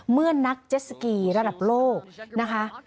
เมื่อนักเจ็ดสกีระดับโลกนะคะ